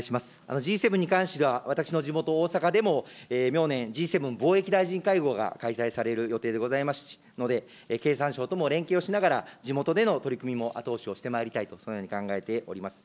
Ｇ７に関しては、私の地元、大阪でも明年、Ｇ７・貿易大臣会合が開催される予定でございますので、経産省とも連携をしながら、地元での取り組みも後押しをしてまいりたいとそのように考えております。